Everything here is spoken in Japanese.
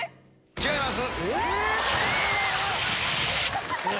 違います！